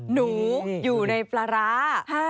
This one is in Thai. หนูอยู่ในปลาร้า